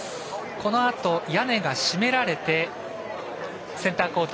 このあと屋根が閉められてセンターコート